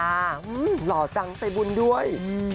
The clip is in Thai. หื้มหล่อจังใส่บุญด้วย